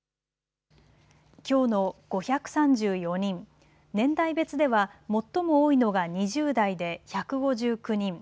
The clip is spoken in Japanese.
きょうの５３４人、年代別では最も多いのが２０代で１５９人。